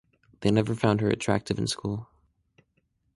They never found her attractive in school.